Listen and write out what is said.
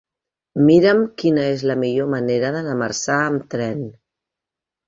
Mira'm quina és la millor manera d'anar a Marçà amb tren.